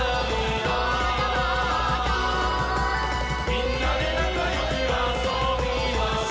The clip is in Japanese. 「みんなでなかよくあそびましょ」